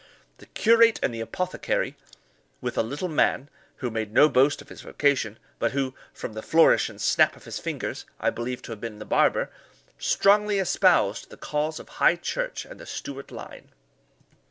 The curate and the apothecary, with a little man, who made no boast of his vocation, but who, from the flourish and snap of his fingers, I believe to have been the barber, strongly espoused the cause of high church and the Stuart line.